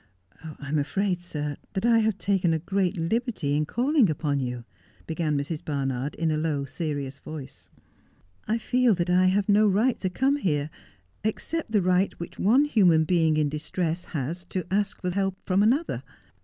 ' I'm afraid, sir, that I have taken a great liberty in calling upon you,' began Mrs. Barnard, in a low, serious voice. 'I feel that I have no right to come here, except the right which one In Mr. Tomplin' s Chambers. 147 human being in distress has to ask for help from another.